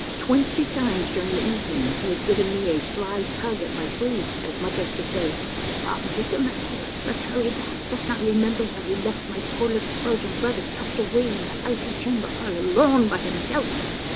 Twenty times during the evening he had given me a sly tug at my sleeve as much as to say, —" Come, little master, let's hurry back ; dost not remember that we left* my poor little frozen brother tucked away in that icy chamber all alone by himself?"